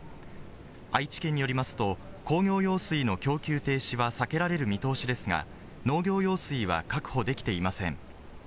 愛知県によりますと、工業用水の供給停止は避けられる見通しですが、農業用水は確保できていません。